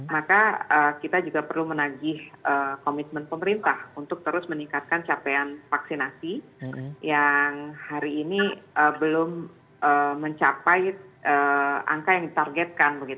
maka kita juga perlu menagih komitmen pemerintah untuk terus meningkatkan capaian vaksinasi yang hari ini belum mencapai angka yang ditargetkan